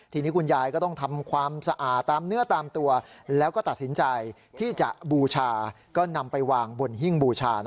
ทีนี้คุณยายก็ต้องทำความสะอาดตามเนื้อตามตัวแล้วก็ตัดสินใจที่จะบูชาก็นำไปวางบนหิ้งบูชา